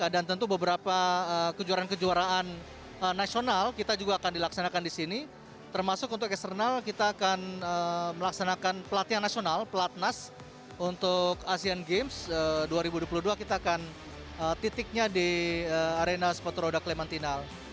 dan tentu beberapa kejuaraan kejuaraan nasional kita juga akan dilaksanakan di sini termasuk untuk eksternal kita akan melaksanakan pelatihan nasional pelatnas untuk asian games dua ribu dua puluh dua kita akan titiknya di arena sepatu roda clementinal